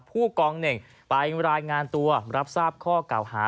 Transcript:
ผู้กองหนึ่งไปรายงานตัวรับทราบให้สร้างข้อค่า